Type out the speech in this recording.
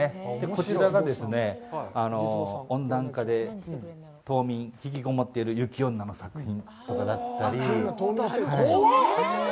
こちらがですね、温暖化で冬眠、引きこもっている雪女の作品だったり。